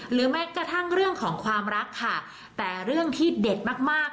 แม้กระทั่งเรื่องของความรักค่ะแต่เรื่องที่เด็ดมากมาก